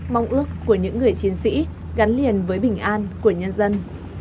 mong ước của những người chiến sĩ gắn liền với bình an của nhân dân